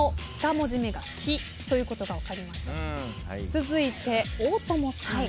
続いて大友さん。